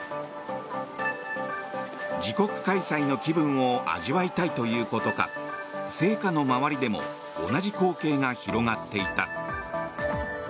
自国開催の気分を味わいたいということか聖火の周りでも同じ光景が広がっていた。